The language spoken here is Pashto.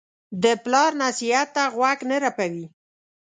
د پلار نصیحت ته غوږ نه رپوي.